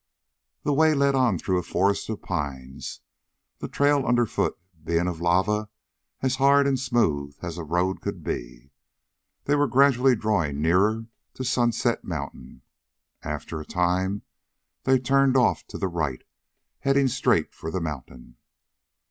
The way led on through a forest of pines, the trail underfoot being of lava, as hard and smooth as a road could be. They were gradually drawing nearer to Sunset Mountain. After a time they turned off to the right, heading straight for the mountain.